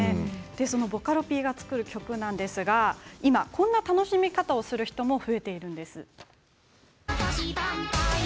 ボカロＰが作る曲ですが今こんな楽しみ方をする人も増えているんです。